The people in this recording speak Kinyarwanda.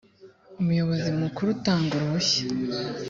umuyobozi mukuru atanga uruhushya